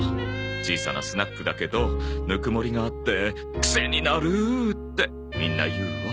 小さなスナックだけどぬくもりがあって「クセになる！」ってみんな言うわ。